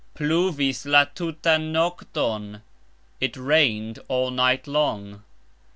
Pluvis la tutan nokton. It rained all night long.